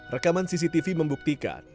rekaman cctv membuktikan